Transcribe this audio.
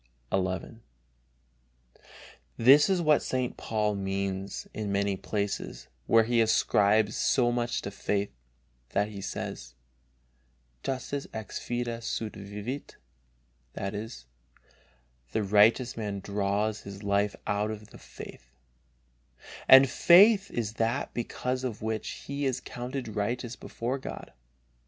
XI. This is what St. Paul means in many places, where he ascribes so much to faith, that he says: Justus ex fide sua vivit, "the righteous man draws his life out of his faith," and faith is that because of which he is counted righteous before God.